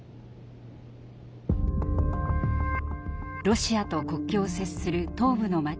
ロシアと国境を接する東部の街